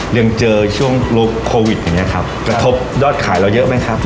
ยังเจอช่วงลุคโควิดอย่างเงี้ครับกระทบยอดขายเราเยอะไหมครับ